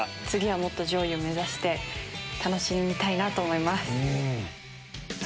次はもっと上位を目指して楽しみたいなと思います。